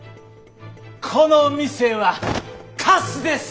この店はカスです！